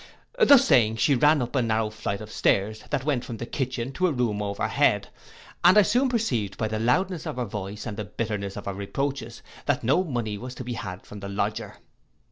'—Thus saying, she ran up a narrow flight of stairs, that went from the kitchen to a room over head, and I soon perceived by the loudness of her voice, and the bitterness of her reproaches, that no money was to be had from her lodger.